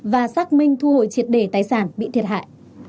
và xác minh thu hồi triệt đề tái sản bị thiệt hại